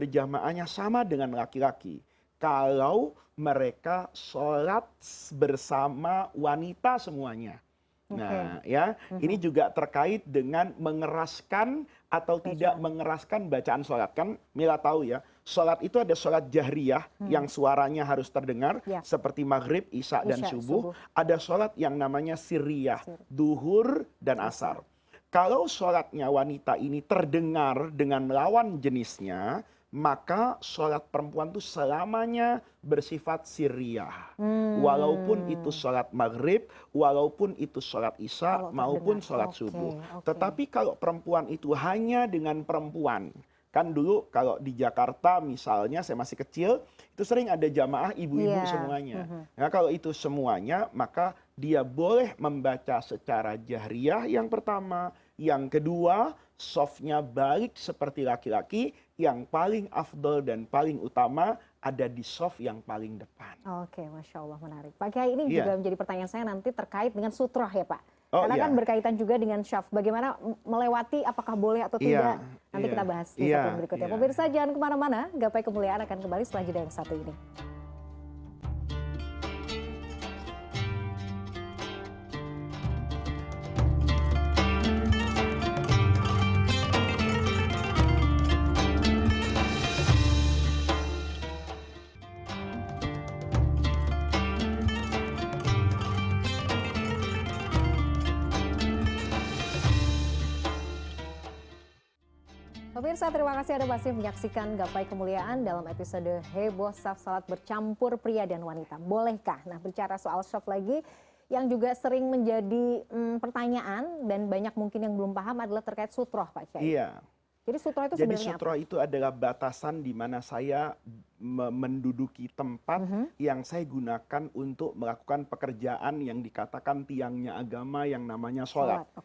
jadi sutroh itu adalah batasan di mana saya menduduki tempat yang saya gunakan untuk melakukan pekerjaan yang dikatakan tiangnya agama yang namanya sholat